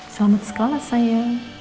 selamat sekolah sayang